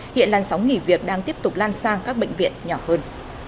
hiện làn sóng nghỉ việc đang tiếp tục lan sang các bệnh viện nhỏ hơn